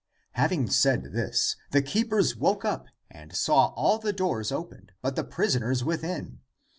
Having said this, the keepers woke up and saw all the doors opened, but the prisoners within.